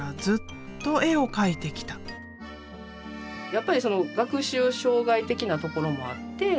やっぱりその学習障害的なところもあって。